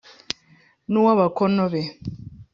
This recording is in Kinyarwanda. n 'uw abakóno be